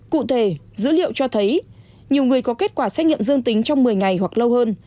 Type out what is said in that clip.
cụ thể dữ liệu cho thấy nhiều người có kết quả xét nghiệm dương tính trong một mươi ngày hoặc lâu hơn